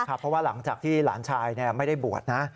เพราะว่าหลังจากที่หลานชายไม่ได้บวชนะ